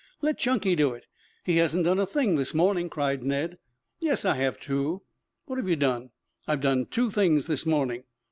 "Let Chunky do it. He hasn't done a thing this morning," cried Ned. "Yes, I have, too." "What have you done?" "I've done two things this morning."